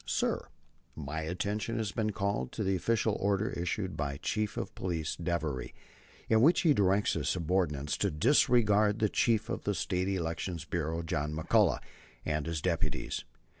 Sir: My attention has been called to the official order issued by Chief of Police Devery, in which he directs his subordinates to disregard the Chief of the State Election Bureau, John McCullagh, and his deputies.